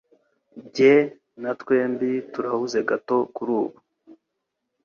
Jye na twembi turahuze gato kurubu.